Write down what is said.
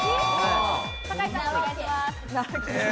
酒井さん、お願いします。